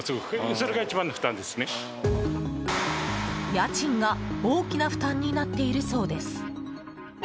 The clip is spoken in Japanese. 家賃が大きな負担になっているそうです。